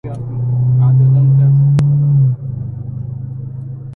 إن وافق النجم السعيد هلاله